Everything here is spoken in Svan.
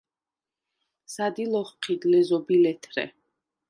სადილ ოხჴიდხ – ლეზობ ი ლეთრე.